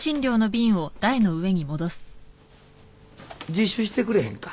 自首してくれへんか？